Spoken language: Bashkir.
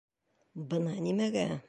Бына нимәгә!